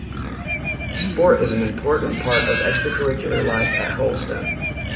Sport is an important part of extracurricular life at Hurlstone.